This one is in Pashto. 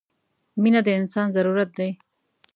• مینه د انسان ضرورت دی.